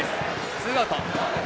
ツーアウト。